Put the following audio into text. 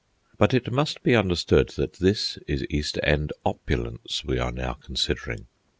But it must be understood that this is East End opulence we are now considering.